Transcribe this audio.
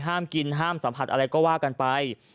ห้ามกินห้ามสัมผัสอะไรก็ว่ากันไป